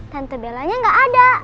tante bellanya gak ada